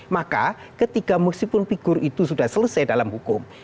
maka ketiga musibun figur itu sudah selesai dalam hukum